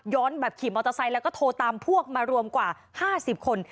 แบบขี่มอเตอร์ไซค์แล้วก็โทรตามพวกมารวมกว่า๕๐คน